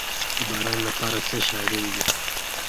د باران لپاره څه شی اړین دي؟